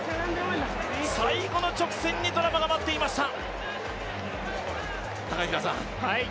最後の直線にドラマが待っていました。